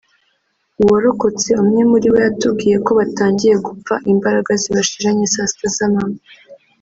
uwarokotse umwe muri bo yatubwiye ko batangiye gupfa imbaraga zibashiranye saa sita z’amanywa